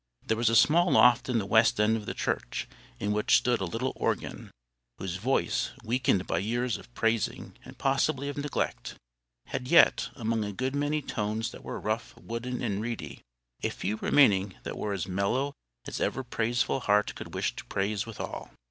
There was a small loft in the west end of the church, in which stood a little organ, whose voice, weakened by years of praising, and possibly of neglect, had yet, among a good many tones that were rough, wooden, and reedy, a few remaining that were as mellow as ever praiseful heart could wish to praise withal.